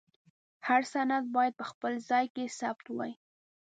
هر سند باید په خپل ځای کې ثبت وای.